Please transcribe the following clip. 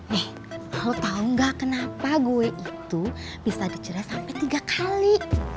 nih lo tau gak kenapa gue itu bisa dicera sampai tiga kali